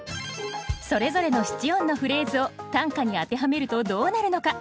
それぞれの七音のフレーズを短歌に当てはめるとどうなるのか。